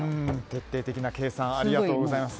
徹底的な計算ありがとうございます。